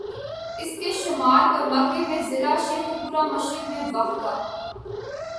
اسکے شمال اور مغرب میں ضلع شیخوپورہ، مشرق میں واہگہ